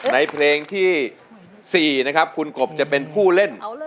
ในเพลงที่๔นะครับคุณกบจะเป็นผู้เล่น